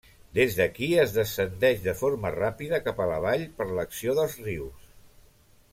Des d'aquí es descendeix de forma ràpida cap a la vall per l'acció dels rius.